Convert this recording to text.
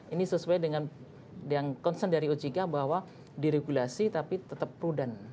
ini sesuai dengan yang concern dari ojk bahwa diregulasi tapi tetap prudent